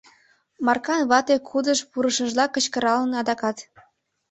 — Маркан вате кудыш пурышыжла кычкыралын адакат.